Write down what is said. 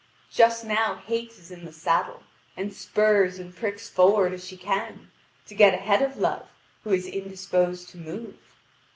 Just now Hate is in the saddle, and spurs and pricks forward as she can, to get ahead of Love who is indisposed to move.